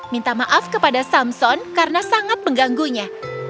minta maaf kepada samson karena sangat mengganggunya